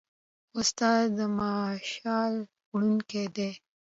استاد د مشعل وړونکی دی.